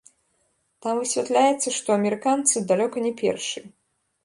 Там высвятляецца, што амерыканцы далёка не першыя.